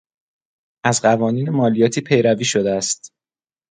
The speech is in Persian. از قوانین مالیاتی پیروی شده است